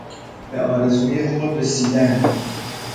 به آرزوی خود رسیدن